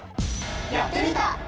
やってみた！